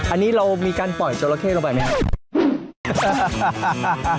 อันนี้เรามีการปล่อยจราเข้ลงไปไหมครับ